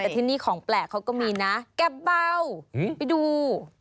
แต่ที่นี่ของแปลกเขาก็มีนะแกะเบาไปดู